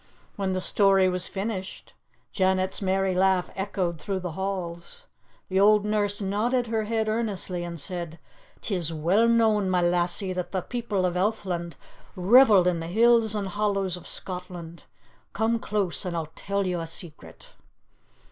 When the story was finished, Janet's merry laugh echoed through the halls. The old nurse nodded her head earnestly and said, "'Tis well known, my lassie, that the people of Elfland revel in the hills and hollows of Scotland. Come close, and I'll tell you a secret."